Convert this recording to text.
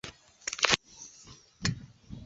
有时候需要买些文具等用品